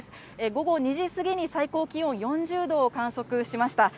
午後２時過ぎに最高気温４０度を観測しました。